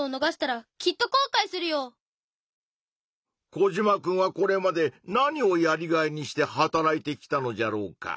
コジマくんはこれまで何をやりがいにして働いてきたのじゃろうか？